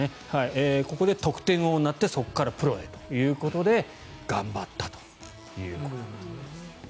ここで得点王になってそこからプロへということで頑張ったということなんです。